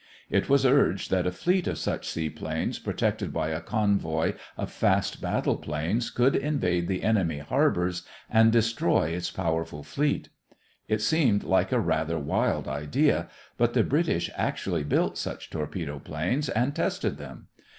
It was urged that a fleet of such seaplanes protected by a convoy of fast battle planes could invade the enemy harbors and destroys its powerful fleet. It seemed like a rather wild idea, but the British actually built such torpedo planes and tested them.